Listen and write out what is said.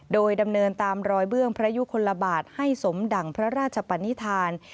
โดยดำเนินตามรอยเบื้องพระยุคลบาทให้สมดั่งพระราชปนิษฐาน